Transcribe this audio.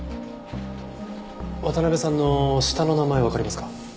渡辺さんの下の名前はわかりますか？